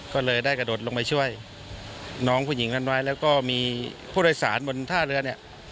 ก็เลยได้กระโดดลงไปช่วยน้องผู้หญิงนั้นไว้แล้วก็มีผู้โดยสารบนท่าเรือเนี่ย